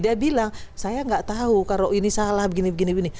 dia bilang saya nggak tahu kalau ini salah begini begini